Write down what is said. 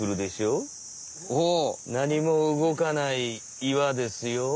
なにも動かない岩ですよ。